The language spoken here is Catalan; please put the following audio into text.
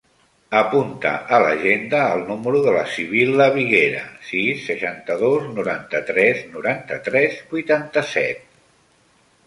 Apunta a l'agenda el número de la Sibil·la Viguera: sis, seixanta-dos, noranta-tres, noranta-tres, vuitanta-set.